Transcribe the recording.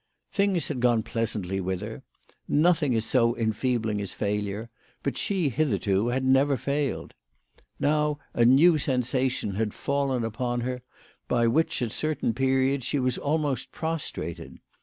Things had gone pleasantly with her. Nothing is so enfeebling as failure ; but she, hitherto, had never failed. Now a new sensation had fallen upon her, by which at certain periods she was almost prostrated.